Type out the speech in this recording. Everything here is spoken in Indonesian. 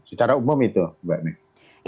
secara umum itu mbak may